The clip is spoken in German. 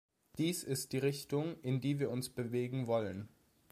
Das ist die Richtung, in die wir uns bewegen wollen.